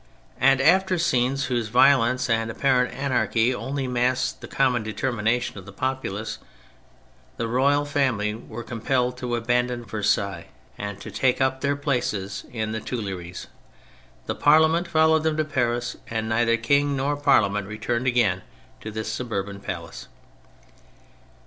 And after scenes whose violence and apparent anarchy only masked the common determination of the populace, the royal family were compelled to abandon Versailles and to take up their place in the Tuileries ; the Parliament followed them to Paris, and neither King nor Parliament returned again to the suburban palace.